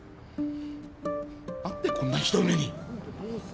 何でこんなひどい目に。